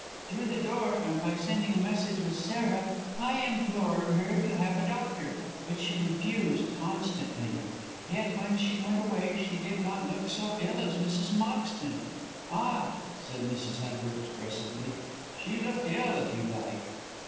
Through the door, and by sending a message with Sarah, I implored her to have a doctor, but she refused constantly. Yet when she went away she did not look so ill as Mrs. Moxton. Ah!" said Mrs. Amber, expressively, "she looked ill if you like."